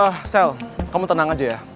eh eh eh sel kamu tenang aja ya